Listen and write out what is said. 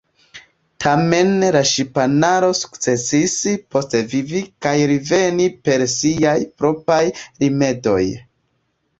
Tamen la ŝipanaro sukcesis postvivi kaj reveni per siaj propraj rimedoj.